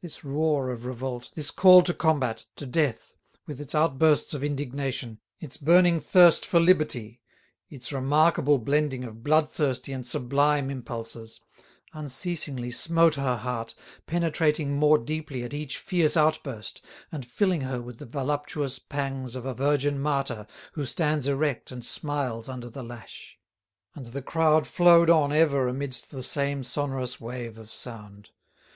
This roar of revolt, this call to combat, to death, with its outbursts of indignation, its burning thirst for liberty, its remarkable blending of bloodthirsty and sublime impulses, unceasingly smote her heart, penetrating more deeply at each fierce outburst, and filling her with the voluptuous pangs of a virgin martyr who stands erect and smiles under the lash. And the crowd flowed on ever amidst the same sonorous wave of sound.